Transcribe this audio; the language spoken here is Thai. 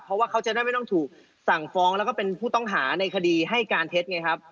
เพราะว่าเขาจะได้ไม่ต้องถูกสั่งฟ้องแล้วก็เป็นผู้ต้องหาในคดีให้การเท็จไงครับ